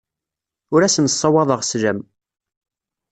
Ur asen-ssawaḍeɣ sslam.